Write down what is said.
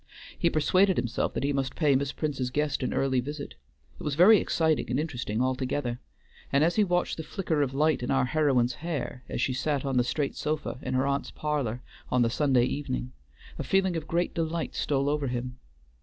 He persuaded himself that he must pay Miss Prince's guest an early visit. It was very exciting and interesting altogether; and as he watched the flicker of light in our heroine's hair as she sat on the straight sofa in her aunt's parlor on the Sunday evening, a feeling of great delight stole over him.